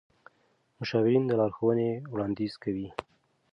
مشاورین د لارښوونې وړاندیز کوي.